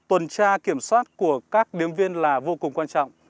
tuần tra kiểm soát của các điếm viên là vô cùng quan trọng